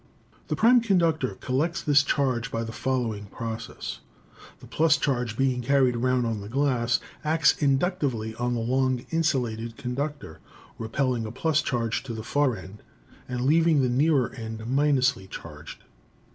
The prime conductor collects this charge by the following process : The f charge being carried round on the glass acts inductively on the long insulated conductor, 168 ELECTRICITY repelling a + charge to the far end; leaving the nearer end — ly charged.